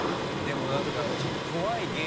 でもなんかちょっと怖いゲームだよ。